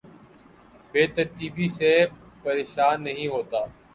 بے ترتیبی سے پریشان نہیں ہوتا